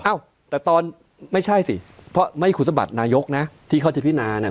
เอ้าแต่ตอนไม่ใช่สิเพราะไม่คุณสมบัตินายกนะที่เขาจะพินาน่ะ